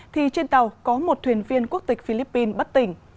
thì trên tàu có một thuyền viên quốc tịch philippines bất tỉnh